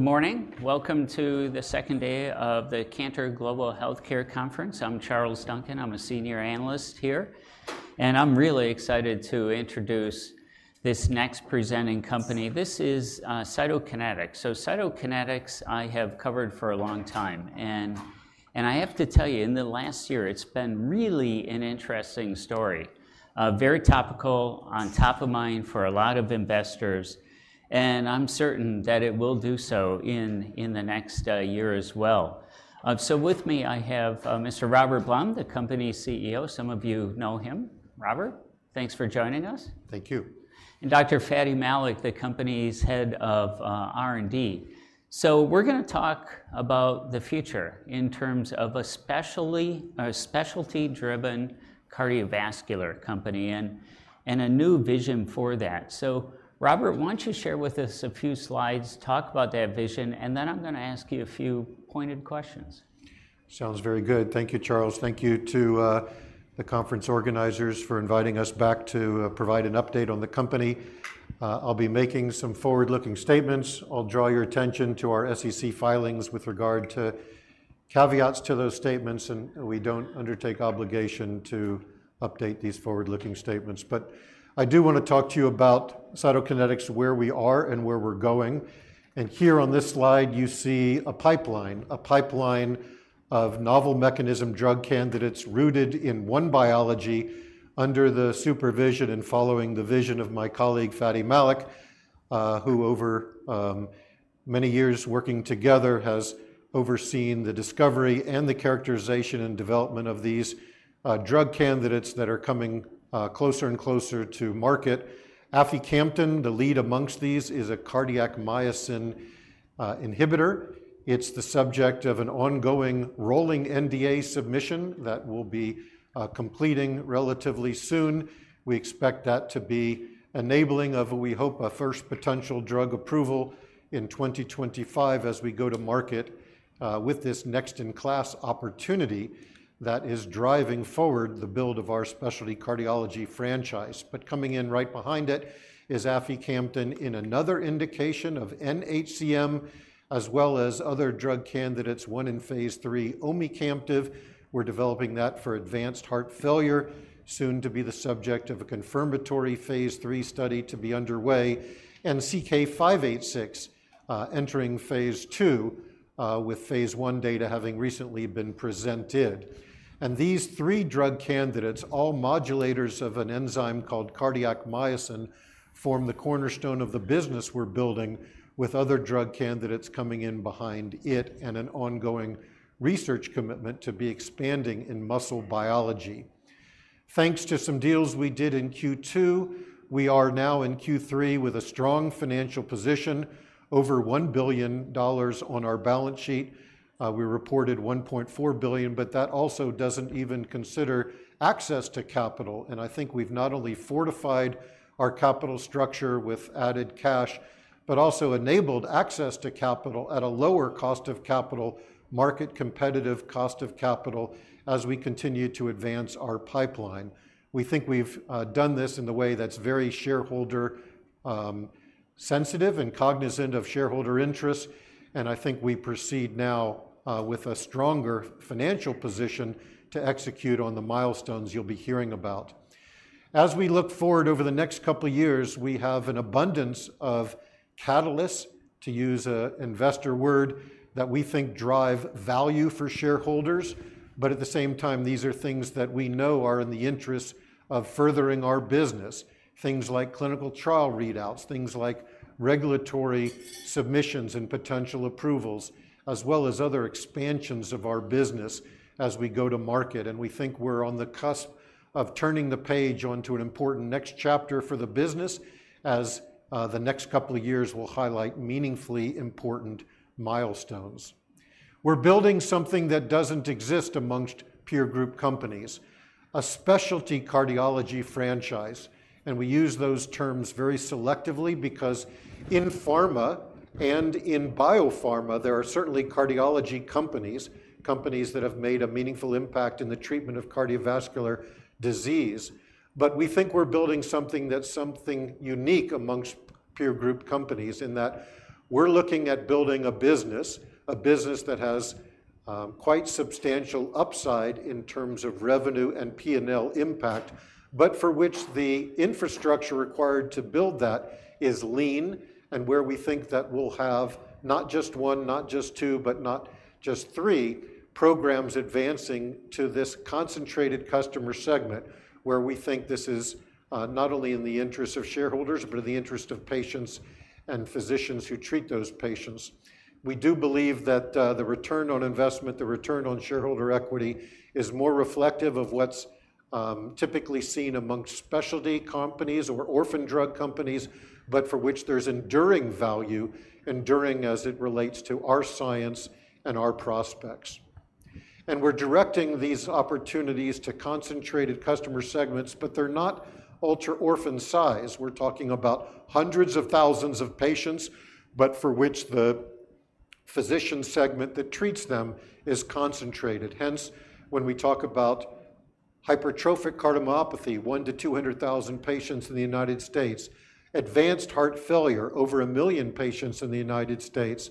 ...Good morning. Welcome to the second day of the Cantor Global Healthcare Conference. I'm Charles Duncan. I'm a senior analyst here, and I'm really excited to introduce this next presenting company. This is Cytokinetics, so Cytokinetics, I have covered for a long time, and I have to tell you, in the last year, it's been really an interesting story. Very topical, on top of mind for a lot of investors, and I'm certain that it will do so in the next year as well, so with me, I have Mr. Robert Blum, the company's CEO. Some of you know him. Robert, thanks for joining us. Thank you. And Dr. Fady Malik, the company's head of R&D. So we're gonna talk about the future in terms of especially a specialty-driven cardiovascular company and a new vision for that. So Robert, why don't you share with us a few slides, talk about that vision, and then I'm gonna ask you a few pointed questions. Sounds very good. Thank you, Charles. Thank you to the conference organizers for inviting us back to provide an update on the company. I'll be making some forward-looking statements. I'll draw your attention to our SEC filings with regard to caveats to those statements, and we don't undertake obligation to update these forward-looking statements. But I do wanna talk to you about Cytokinetics, where we are and where we're going. And here on this slide, you see a pipeline, a pipeline of novel mechanism drug candidates rooted in one biology under the supervision and following the vision of my colleague, Fady Malik, who over many years working together, has overseen the discovery and the characterization and development of these drug candidates that are coming closer and closer to market. Aficamten, the lead amongst these, is a cardiac myosin inhibitor. It's the subject of an ongoing rolling NDA submission that will be completing relatively soon. We expect that to be enabling of what we hope a first potential drug approval in 2025 as we go to market with this next-in-class opportunity that is driving forward the build of our specialty cardiology franchise, but coming in right behind it is aficamten in another indication of nHCM as well as other drug candidates, one in phase III, omecamtiv. We're developing that for advanced heart failure, soon to be the subject of a confirmatory phase III study to be underway, and CK-586 entering phase II with phase I data having recently been presented. These three drug candidates, all modulators of an enzyme called cardiac myosin, form the cornerstone of the business we're building, with other drug candidates coming in behind it and an ongoing research commitment to be expanding in muscle biology. Thanks to some deals we did in Q2, we are now in Q3 with a strong financial position, over $1 billion on our balance sheet. We reported $1.4 billion, but that also doesn't even consider access to capital, and I think we've not only fortified our capital structure with added cash, but also enabled access to capital at a lower cost of capital, market competitive cost of capital, as we continue to advance our pipeline. We think we've done this in a way that's very shareholder sensitive and cognizant of shareholder interests, and I think we proceed now with a stronger financial position to execute on the milestones you'll be hearing about. As we look forward over the next couple of years, we have an abundance of catalysts, to use a investor word, that we think drive value for shareholders, but at the same time, these are things that we know are in the interests of furthering our business. Things like clinical trial readouts, things like regulatory submissions and potential approvals, as well as other expansions of our business as we go to market, and we think we're on the cusp of turning the page onto an important next chapter for the business as the next couple of years will highlight meaningfully important milestones. We're building something that doesn't exist amongst peer group companies, a specialty cardiology franchise, and we use those terms very selectively because in pharma and in biopharma, there are certainly cardiology companies, companies that have made a meaningful impact in the treatment of cardiovascular disease. But we think we're building something that's something unique amongst peer group companies, in that we're looking at building a business, a business that has quite substantial upside in terms of revenue and P&L impact, but for which the infrastructure required to build that is lean and where we think that we'll have not just one, not just two, but not just three programs advancing to this concentrated customer segment, where we think this is not only in the interests of shareholders, but in the interest of patients and physicians who treat those patients. We do believe that the return on investment, the return on shareholder equity, is more reflective of what's typically seen amongst specialty companies or orphan drug companies, but for which there's enduring value, enduring as it relates to our science and our prospects. And we're directing these opportunities to concentrated customer segments, but they're not ultra-orphan size. We're talking about hundreds of thousands of patients, but for which the physician segment that treats them is concentrated. Hence, when we talk about hypertrophic cardiomyopathy, 100,000-200,000 patients in the United States. Advanced heart failure, over a million patients in the United States.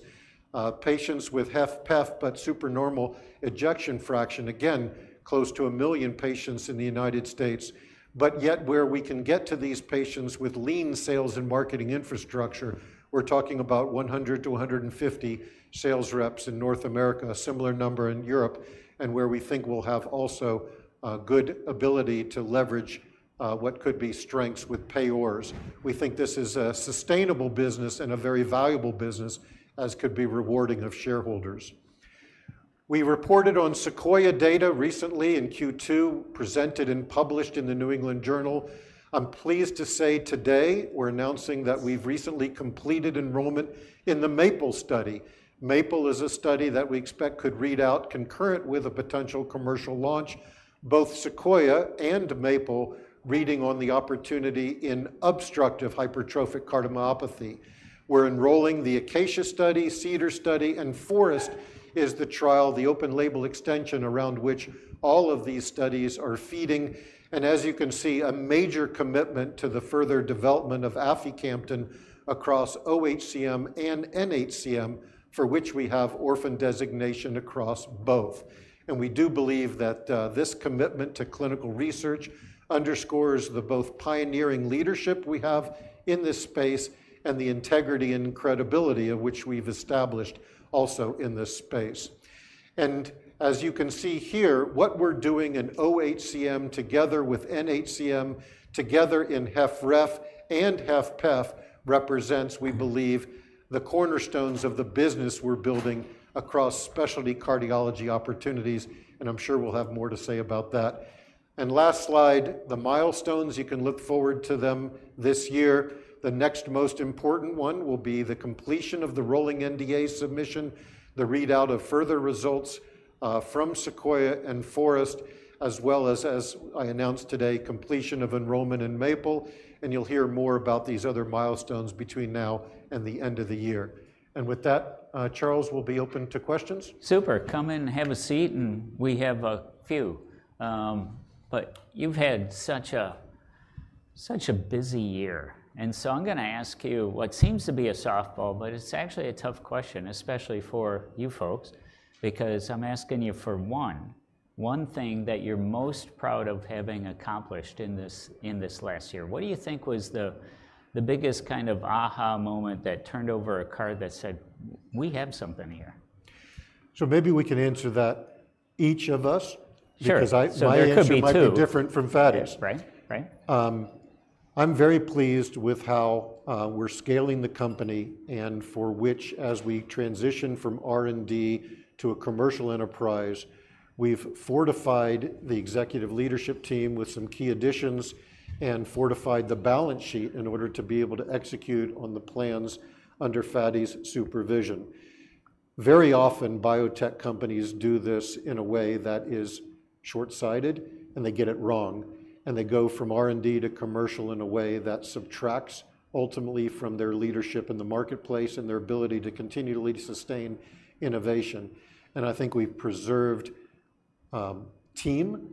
Patients with HFpEF, but supranormal ejection fraction, again, close to a million patients in the United States. But yet, where we can get to these patients with lean sales and marketing infrastructure, we're talking about 100-150 sales reps in North America, a similar number in Europe, and where we think we'll have also a good ability to leverage what could be strengths with payers. We think this is a sustainable business and a very valuable business, as could be rewarding of shareholders. We reported on SEQUOIA data recently in Q2, presented and published in the New England Journal. I'm pleased to say today, we're announcing that we've recently completed enrollment in the MAPLE-HCM study. MAPLE-HCM is a study that we expect could read out concurrent with a potential commercial launch, both SEQUOIA and MAPLE-HCM reading on the opportunity in obstructive hypertrophic cardiomyopathy. We're enrolling the ACACIA study, CEDAR study, and FOREST is the trial, the open label extension around which all of these studies are feeding. And as you can see, a major commitment to the further development of aficamten across oHCM and nHCM, for which we have orphan designation across both. And we do believe that, this commitment to clinical research underscores the both pioneering leadership we have in this space and the integrity and credibility of which we've established also in this space. And as you can see here, what we're doing in oHCM, together with nHCM, together in HFrEF and HFpEF, represents, we believe, the cornerstones of the business we're building across specialty cardiology opportunities, and I'm sure we'll have more to say about that. And last slide, the milestones, you can look forward to them this year. The next most important one will be the completion of the rolling NDA submission, the readout of further results from SEQUOIA and FOREST, as well as, as I announced today, completion of enrollment in MAPLE, and you'll hear more about these other milestones between now and the end of the year. And with that, Charles, we'll be open to questions. Super! Come in, have a seat, and we have a few. But you've had such a, such a busy year, and so I'm gonna ask you what seems to be a softball, but it's actually a tough question, especially for you folks, because I'm asking you for one, one thing that you're most proud of having accomplished in this, in this last year. What do you think was the, the biggest kind of aha moment that turned over a card that said, "We have something here? So maybe we can answer that, each of us- Sure... because I- There could be two. My answer might be different from Fady's. Yes. Right. Right. I'm very pleased with how we're scaling the company, and for which, as we transition from R&D to a commercial enterprise, we've fortified the executive leadership team with some key additions and fortified the balance sheet in order to be able to execute on the plans under Fady's supervision. Very often, biotech companies do this in a way that is short-sighted, and they get it wrong, and they go from R&D to commercial in a way that subtracts ultimately from their leadership in the marketplace and their ability to continually sustain innovation. And I think we've preserved team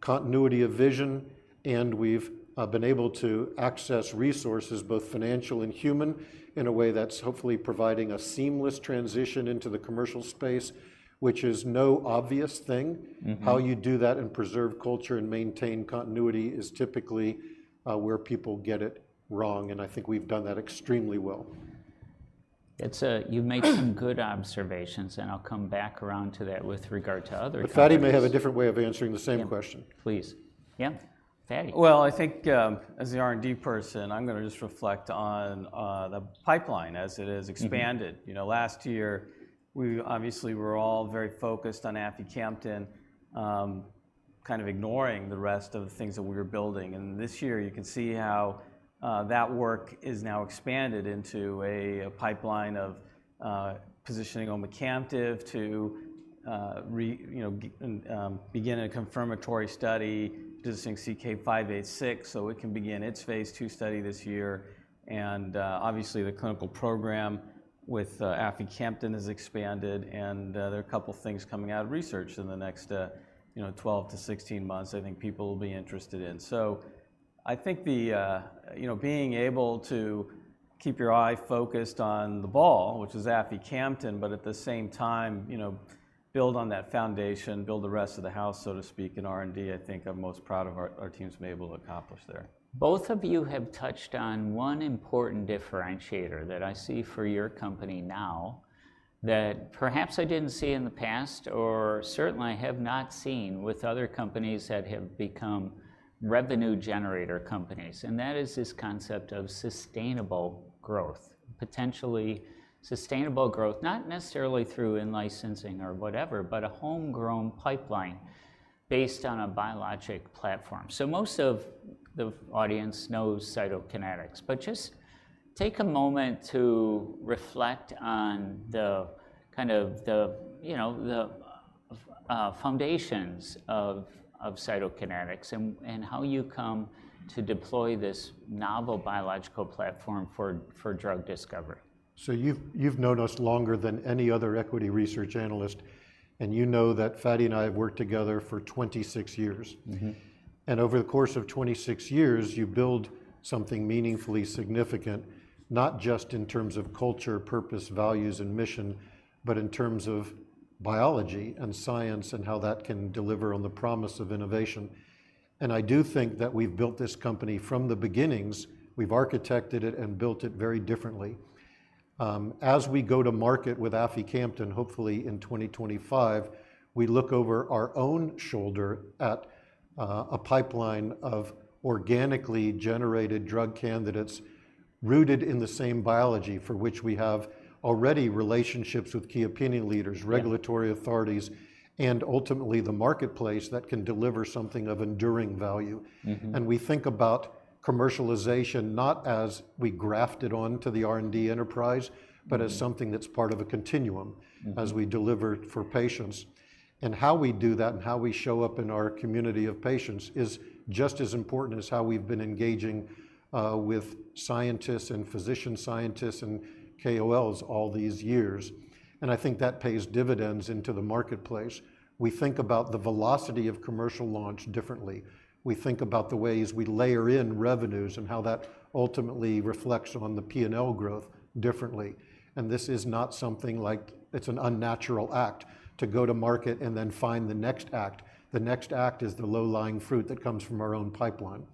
continuity of vision, and we've been able to access resources, both financial and human, in a way that's hopefully providing a seamless transition into the commercial space, which is no obvious thing. Mm-hmm. How you do that and preserve culture and maintain continuity is typically where people get it wrong, and I think we've done that extremely well. You've made some good observations, and I'll come back around to that with regard to other companies. But Fady may have a different way of answering the same question. Please. Yeah, Fady. I think, as the R&D person, I'm gonna just reflect on the pipeline as it is expanded. Mm-hmm. You know, last year, we obviously were all very focused on aficamten, kind of ignoring the rest of the things that we were building, and this year you can see how that work is now expanded into a pipeline of positioning omecamtiv to, you know, begin a confirmatory study, doing CK-586, so it can begin its phase II study this year. And obviously, the clinical program with aficamten has expanded, and there are a couple of things coming out of research in the next, you know, 12-16 months, I think people will be interested in. So I think the... You know, being able to keep your eye focused on the ball, which is aficamten, but at the same time, you know, build on that foundation, build the rest of the house, so to speak, in R&D, I think I'm most proud of our team's been able to accomplish there. Both of you have touched on one important differentiator that I see for your company now, that perhaps I didn't see in the past, or certainly I have not seen with other companies that have become revenue generator companies, and that is this concept of sustainable growth, potentially sustainable growth, not necessarily through in-licensing or whatever, but a homegrown pipeline based on a biologic platform. So most of the audience knows Cytokinetics, but just take a moment to reflect on the kind of, you know, foundations of Cytokinetics and how you come to deploy this novel biological platform for drug discovery? So you've known us longer than any other equity research analyst, and you know that Fady and I have worked together for 26 years. Mm-hmm. And over the course of 26 years, you build something meaningfully significant, not just in terms of culture, purpose, values, and mission, but in terms of biology and science, and how that can deliver on the promise of innovation. And I do think that we've built this company from the beginnings. We've architected it and built it very differently. As we go to market with aficamten, hopefully in 2025, we look over our own shoulder at a pipeline of organically generated drug candidates rooted in the same biology for which we have already relationships with key opinion leaders- Yeah... regulatory authorities, and ultimately, the marketplace that can deliver something of enduring value. Mm-hmm. We think about commercialization not as we graft it on to the R&D enterprise- Mm... but as something that's part of a continuum- Mm-hmm... as we deliver it for patients. How we do that and how we show up in our community of patients is just as important as how we've been engaging with scientists and physician scientists, and KOLs all these years, and I think that pays dividends into the marketplace. We think about the velocity of commercial launch differently. We think about the ways we layer in revenues and how that ultimately reflects on the P&L growth differently, and this is not something like it's an unnatural act, to go to market and then find the next act. The next act is the low-lying fruit that comes from our own pipeline.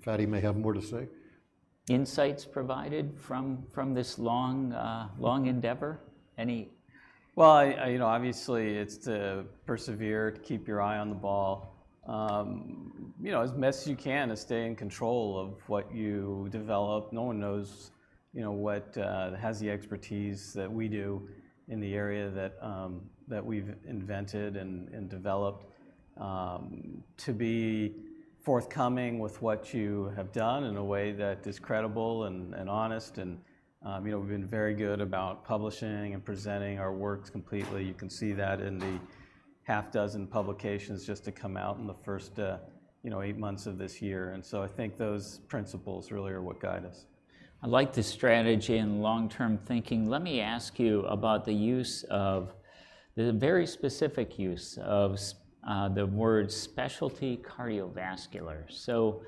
Fady may have more to say. Insights provided from this long endeavor? Any- You know, obviously, it's to persevere, to keep your eye on the ball. You know, as best you can, to stay in control of what you develop. No one knows, you know, what has the expertise that we do in the area that we've invented and developed. To be forthcoming with what you have done in a way that is credible and honest, and you know, we've been very good about publishing and presenting our works completely. You can see that in the half dozen publications just to come out in the first eight months of this year, and so I think those principles really are what guide us. I like the strategy and long-term thinking. Let me ask you about the use of, the very specific use of the word specialty cardiovascular. So,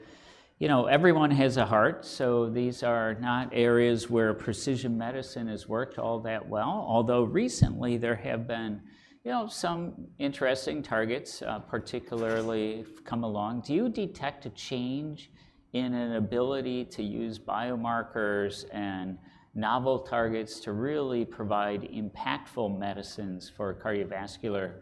you know, everyone has a heart, so these are not areas where precision medicine has worked all that well, although recently there have been, you know, some interesting targets, particularly come along. Do you detect a change in an ability to use biomarkers and novel targets to really provide impactful medicines for cardiovascular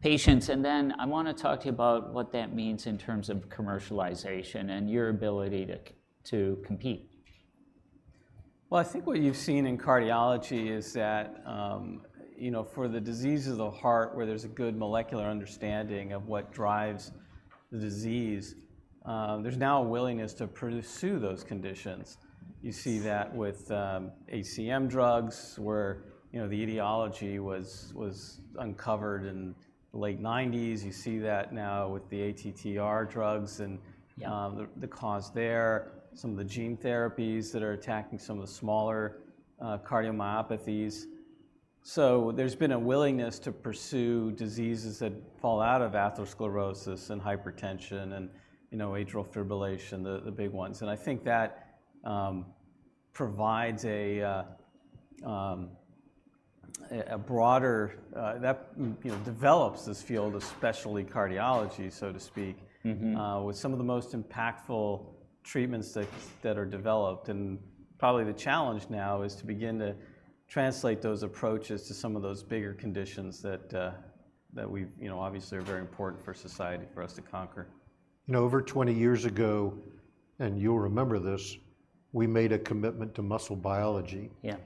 patients? And then I wanna talk to you about what that means in terms of commercialization and your ability to compete. I think what you've seen in cardiology is that, you know, for the diseases of the heart, where there's a good molecular understanding of what drives the disease, there's now a willingness to pursue those conditions. You see that with HCM drugs, where, you know, the etiology was uncovered in the late 90s. You see that now with the ATTR drugs and- Yeah... the cause there. Some of the gene therapies that are attacking some of the smaller cardiomyopathies. So there's been a willingness to pursue diseases that fall out of atherosclerosis and hypertension and, you know, atrial fibrillation, the big ones, and I think that provides a broader... That, you know, develops this field of specialty cardiology, so to speak- Mm-hmm... with some of the most impactful treatments that are developed. And probably the challenge now is to begin to translate those approaches to some of those bigger conditions that we've, you know, obviously, are very important for society for us to conquer. You know, over 20 ago, and you'll remember this, we made a commitment to muscle biology. Yeah.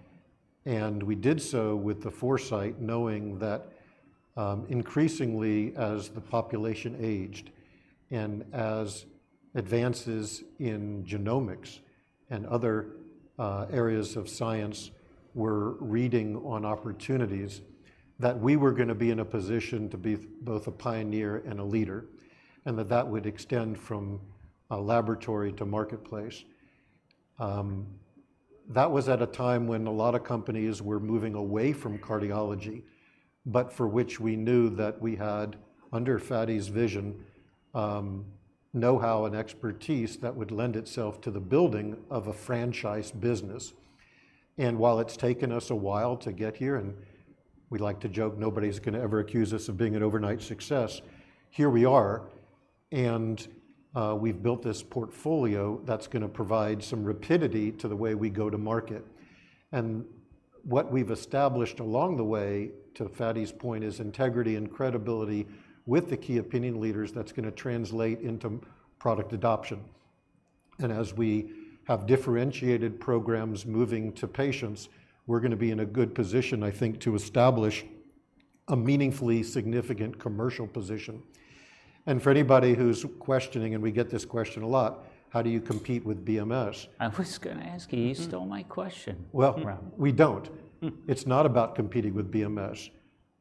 We did so with the foresight, knowing that, increasingly, as the population aged and as advances in genomics and other areas of science were bearing on opportunities, that we were gonna be in a position to be both a pioneer and a leader, and that that would extend from a laboratory to marketplace. That was at a time when a lot of companies were moving away from cardiology, but for which we knew that we had, under Fady's vision, know-how and expertise that would lend itself to the building of a franchise business. While it's taken us a while to get here, and we like to joke, nobody's gonna ever accuse us of being an overnight success, here we are, and we've built this portfolio that's gonna provide some rapidity to the way we go to market. What we've established along the way, to Fady's point, is integrity and credibility with the key opinion leaders that's gonna translate into product adoption. As we have differentiated programs moving to patients, we're gonna be in a good position, I think, to establish a meaningfully significant commercial position... For anybody who's questioning, and we get this question a lot: how do you compete with BMS? I was gonna ask you. Mm-hmm. You stole my question. We don't. It's not about competing with BMS.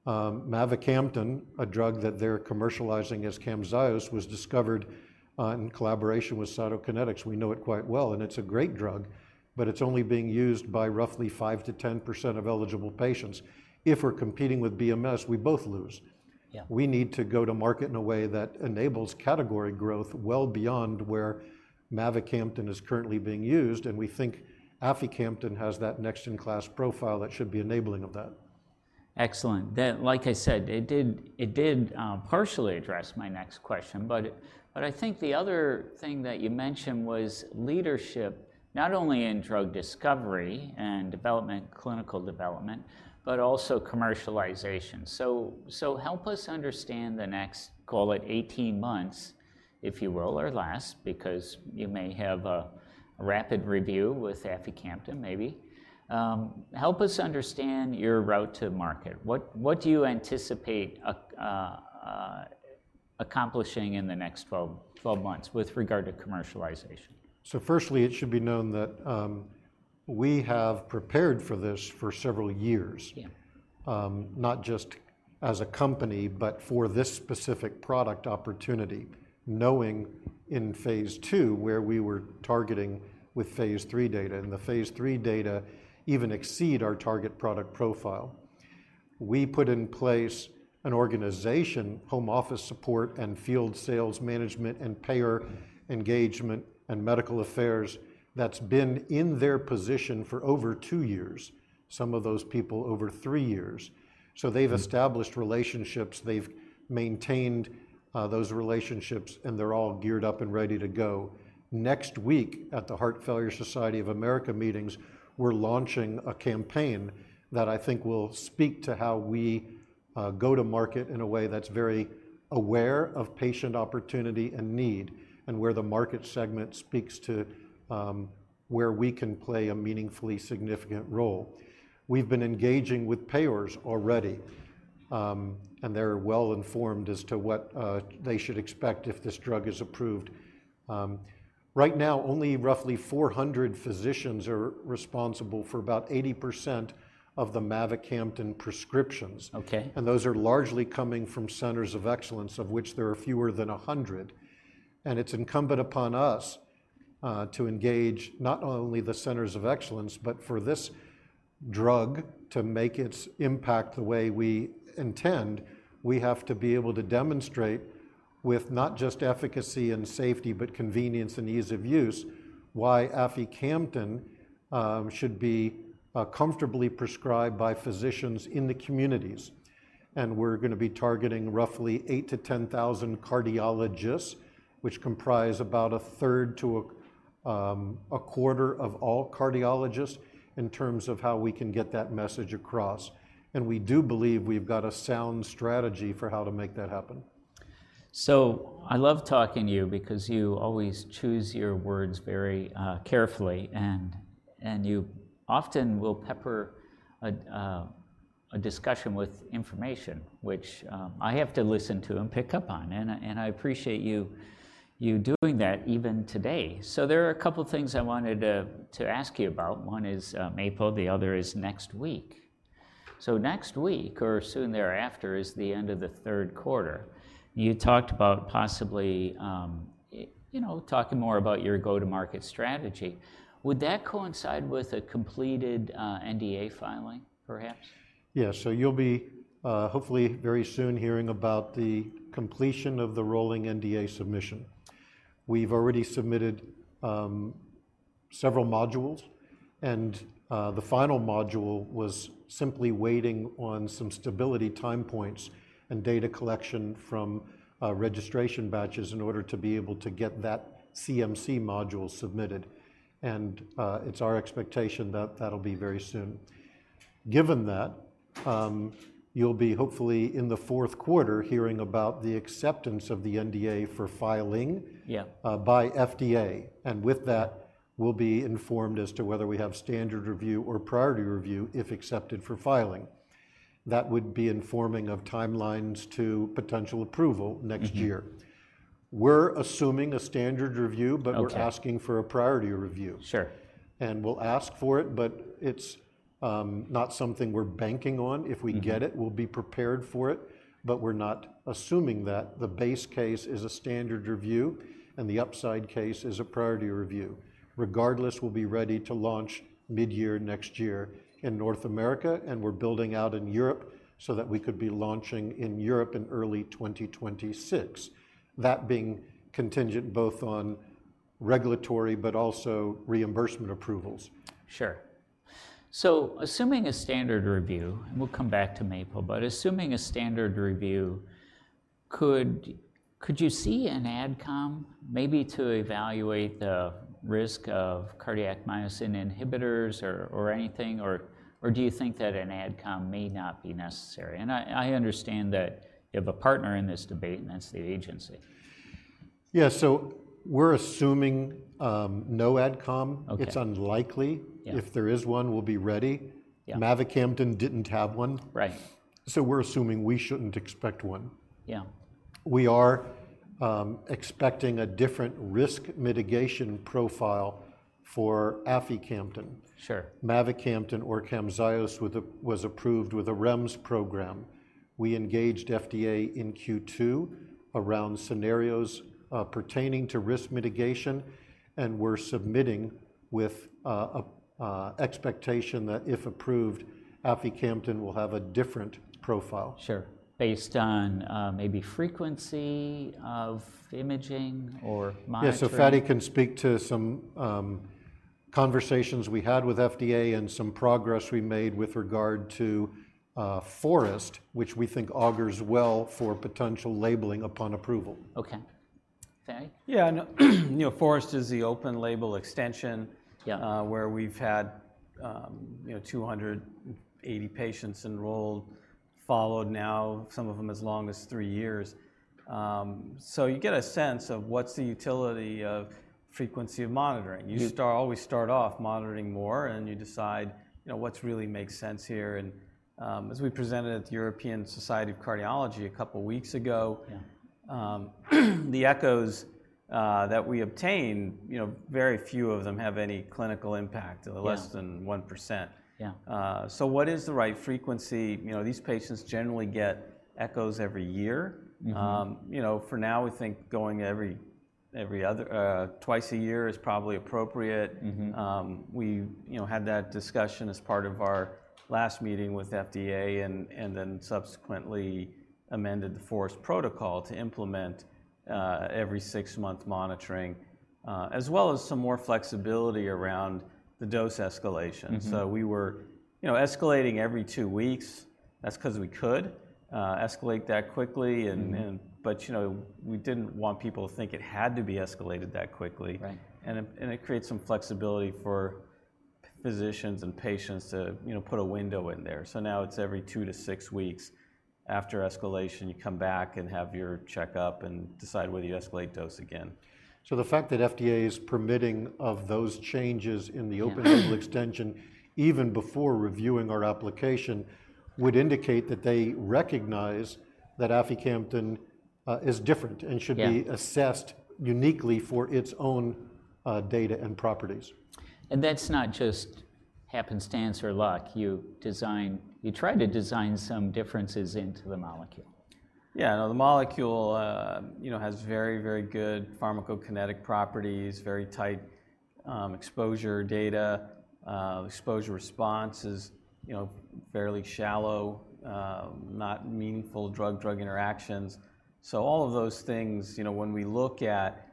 Mavacamten, a drug that they're commercializing as CAMZYOS, was discovered in collaboration with Cytokinetics. We know it quite well, and it's a great drug, but it's only being used by roughly 5%-10% of eligible patients. If we're competing with BMS, we both lose. Yeah. We need to go to market in a way that enables category growth well beyond where mavacamten is currently being used, and we think aficamten has that next-in-class profile that should be enabling of that. Excellent. Then, like I said, it did partially address my next question, but it... But I think the other thing that you mentioned was leadership, not only in drug discovery and development, clinical development, but also commercialization. So help us understand the next, call it eighteen months, if you will, or less, because you may have a rapid review with aficamten maybe. Help us understand your route to market. What do you anticipate accomplishing in the next twelve months with regard to commercialization? Firstly, it should be known that we have prepared for this for several years. Yeah. Not just as a company, but for this specific product opportunity, knowing in phase II, where we were targeting with phase III data, and the phase III data even exceed our target product profile. We put in place an organization, home office support and field sales management and payer engagement and medical affairs, that's been in their position for over two years, some of those people over three years. So they've- Mm... established relationships. They've maintained those relationships, and they're all geared up and ready to go. Next week, at the Heart Failure Society of America meetings, we're launching a campaign that I think will speak to how we go to market in a way that's very aware of patient opportunity and need and where the market segment speaks to where we can play a meaningfully significant role. We've been engaging with payers already and they're well informed as to what they should expect if this drug is approved. Right now, only roughly 400 physicians are responsible for about 80% of the mavacamten prescriptions. Okay. And those are largely coming from centers of excellence, of which there are fewer than 100, and it's incumbent upon us to engage not only the centers of excellence, but for this drug to make its impact the way we intend, we have to be able to demonstrate, with not just efficacy and safety, but convenience and ease of use, why aficamten should be comfortably prescribed by physicians in the communities. And we're gonna be targeting roughly 8,000-10,000 cardiologists, which comprise about 1/3 to 1/4 of all cardiologists, in terms of how we can get that message across, and we do believe we've got a sound strategy for how to make that happen. I love talking to you because you always choose your words very carefully, and you often will pepper a discussion with information, which I have to listen to and pick up on, and I appreciate you doing that even today. There are a couple of things I wanted to ask you about. One is MAPLE, the other is next week. Next week, or soon thereafter, is the end of the third quarter. You talked about possibly talking more about your go-to-market strategy. Would that coincide with a completed NDA filing, perhaps? Yeah. So you'll be hopefully very soon hearing about the completion of the rolling NDA submission. We've already submitted several modules, and the final module was simply waiting on some stability time points and data collection from registration batches in order to be able to get that CMC module submitted. And it's our expectation that that'll be very soon. Given that, you'll be hopefully in the fourth quarter hearing about the acceptance of the NDA for filing- Yeah... by FDA, and with that, we'll be informed as to whether we have standard review or priority review, if accepted for filing. That would be informing of timelines to potential approval next year. Mm-hmm. We're assuming a standard review- Okay... but we're asking for a priority review. Sure. We'll ask for it, but it's not something we're banking on. Mm-hmm. If we get it, we'll be prepared for it, but we're not assuming that. The base case is a standard review, and the upside case is a priority review. Regardless, we'll be ready to launch midyear next year in North America, and we're building out in Europe so that we could be launching in Europe in early 2026. That being contingent both on regulatory but also reimbursement approvals. Sure. So assuming a standard review, and we'll come back to MAPLE-HCM, but assuming a standard review, could you see an AdCom maybe to evaluate the risk of cardiac myosin inhibitors or anything? Or do you think that an AdCom may not be necessary? And I understand that you have a partner in this debate, and that's the agency.... Yeah, so we're assuming no AdCom. Okay. It's unlikely. Yeah. If there is one, we'll be ready. Yeah. Mavacamten didn't have one. Right. So we're assuming we shouldn't expect one. Yeah. We are expecting a different risk mitigation profile for aficamten. Sure. Mavacamten or CAMZYOS was approved with a REMS program. We engaged FDA in Q2 around scenarios pertaining to risk mitigation, and we're submitting with an expectation that, if approved, aficamten will have a different profile. Sure. Based on, maybe frequency of imaging or monitoring? Yeah, so Fady can speak to some conversations we had with FDA and some progress we made with regard to FOREST, which we think augurs well for potential labeling upon approval. Okay. Fady? Yeah, no, you know, FOREST is the open-label extension- Yeah... where we've had, you know, 280 patients enrolled, followed now, some of them as long as three years. So you get a sense of what's the utility of frequency of monitoring. Yeah. You always start off monitoring more, and you decide, you know, what really makes sense here, and as we presented at the European Society of Cardiology a couple weeks ago- Yeah... the echoes, you know, very few of them have any clinical impact- Yeah... less than 1%. Yeah. So what is the right frequency? You know, these patients generally get echoes every year. Mm-hmm. You know, for now, we think going every other twice a year is probably appropriate. Mm-hmm. We, you know, had that discussion as part of our last meeting with FDA and then subsequently amended the FOREST protocol to implement every six-month monitoring as well as some more flexibility around the dose escalation. Mm-hmm. So we were, you know, escalating every two weeks. That's 'cause we could escalate that quickly and Mm-hmm ... but, you know, we didn't want people to think it had to be escalated that quickly. Right. And it creates some flexibility for physicians and patients to, you know, put a window in there. So now it's every two to six weeks. After escalation, you come back and have your checkup and decide whether you escalate dose again. The fact that FDA is permitting of those changes in the open-label extension, even before reviewing our application, would indicate that they recognize that aficamten is different- Yeah... and should be assessed uniquely for its own, data and properties. and that's not just happenstance or luck. You tried to design some differences into the molecule. Yeah, no, the molecule, you know, has very, very good pharmacokinetic properties, very tight exposure data. Exposure response is, you know, fairly shallow, not meaningful drug-drug interactions. So all of those things, you know, when we look at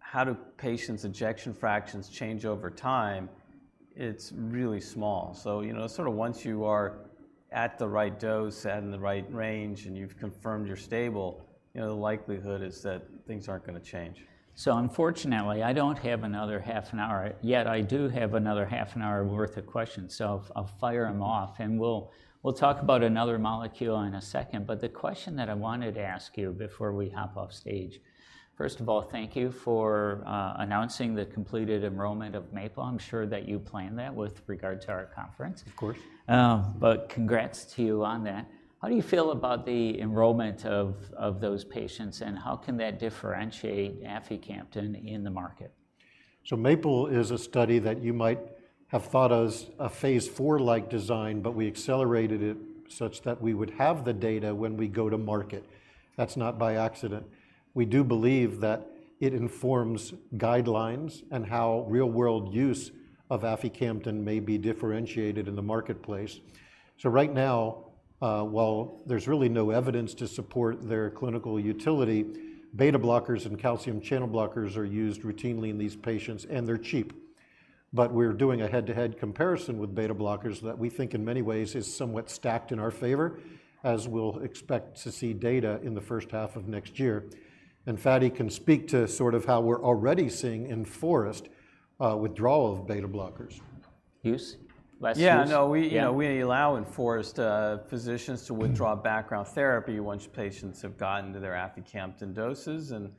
how do patients' ejection fractions change over time, it's really small. So, you know, sort of once you are at the right dose and the right range, and you've confirmed you're stable, you know, the likelihood is that things aren't gonna change. Unfortunately, I don't have another half an hour, yet I do have another half an hour worth of questions. I'll fire them off, and we'll talk about another molecule in a second. But the question that I wanted to ask you before we hop off stage. First of all, thank you for announcing the completed enrollment of MAPLE. I'm sure that you planned that with regard to our conference. Of course. But congrats to you on that. How do you feel about the enrollment of those patients, and how can that differentiate aficamten in the market? So MAPLE is a study that you might have thought of as a phase IV-like design, but we accelerated it such that we would have the data when we go to market. That's not by accident. We do believe that it informs guidelines and how real-world use of aficamten may be differentiated in the marketplace. So right now, while there's really no evidence to support their clinical utility, beta blockers and calcium channel blockers are used routinely in these patients, and they're cheap. But we're doing a head-to-head comparison with beta blockers that we think, in many ways, is somewhat stacked in our favor, as we'll expect to see data in the first half of next year. And Fady can speak to sort of how we're already seeing, in FOREST, withdrawal of beta blockers. Use? Less use? Yeah- Yeah. No, we, you know, we allow, in FOREST, physicians to withdraw background therapy once patients have gotten to their aficamten doses, and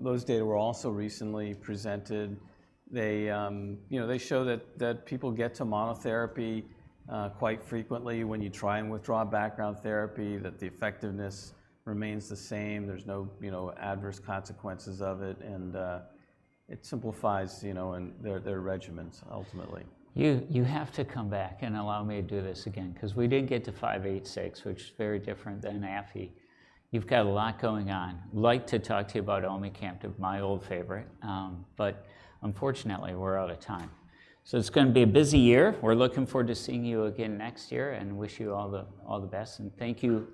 those data were also recently presented. They, you know, they show that people get to monotherapy quite frequently when you try and withdraw background therapy, that the effectiveness remains the same. There's no, you know, adverse consequences of it, and it simplifies, you know, their regimens, ultimately. You have to come back and allow me to do this again 'cause we didn't get to CK-586, which is very different than aficamten. You've got a lot going on. We'd like to talk to you about omecamtiv, my old favorite, but unfortunately, we're out of time. So it's gonna be a busy year. We're looking forward to seeing you again next year and wish you all the best, and thank you.